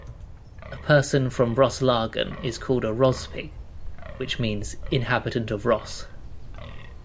A person from Roslagen is called a "Rospigg" which means "inhabitant of Ros".